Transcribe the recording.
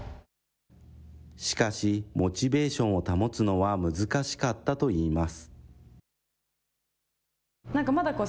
しかし、モチベーションを保つのは難しかったといいます。